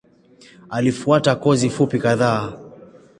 Alifuata kozi fupi kadhaa.